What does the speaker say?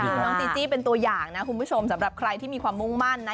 น้องจีจี้เป็นตัวอย่างนะคุณผู้ชมสำหรับใครที่มีความมุ่งมั่นนะ